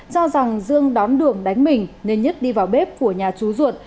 cho rằng dương đón đường đánh mình nên nhất đi vào bếp của nhà chú ruột